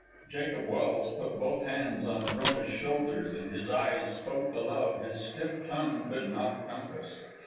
Jacob Welse put both hands on Frona's shoulders, and his eyes spoke the love his stiff tongue could not compass.